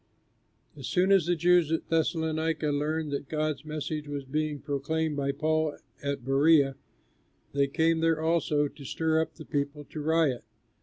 As soon as the Jews at Thessalonica learned that God's message was being proclaimed by Paul at Berœa, they came there also to stir up the people to riot.